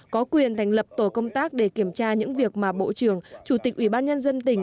có quyền thành lập tổ công tác để kiểm tra những việc mà bộ trưởng chủ tịch ủy ban nhân dân tỉnh